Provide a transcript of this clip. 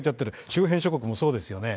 周辺諸国もそうですよね。